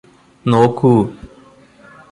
നോക്കൂ